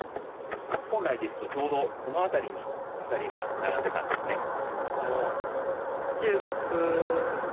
本来ですと、ちょうどこの辺りにアサリが並んでいたんですね。